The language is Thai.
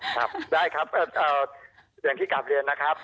ครับได้ครับอย่างที่กลับเรียนนะครับ